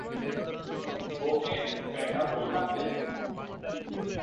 ওকে বেটা বলে ডাকলে?